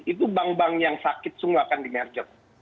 itu bank bank yang sakit semua akan di merger